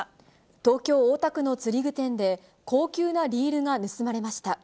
東京・大田区の釣り具店で、高級なリールが盗まれました。